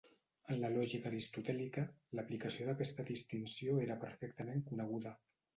En la lògica aristotèlica, l'aplicació d'aquesta distinció era perfectament coneguda.